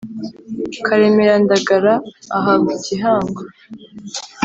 karemera ndagara ahabwa igihango